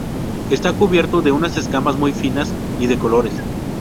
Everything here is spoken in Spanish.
Está cubierto de unas escamas muy finas y de colores.